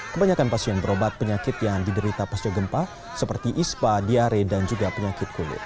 kebanyakan pasien berobat penyakit yang diderita pasca gempa seperti ispa diare dan juga penyakit kulit